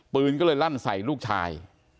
ปืนก็เลยลั่นใส่ลูกชาย